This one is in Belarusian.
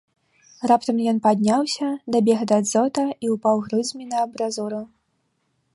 Раптам ён падняўся, дабег да дзота і ўпаў грудзьмі на амбразуру.